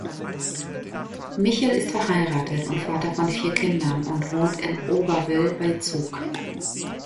Michel ist verheiratet und Vater von vier Kindern und wohnt in Oberwil bei Zug.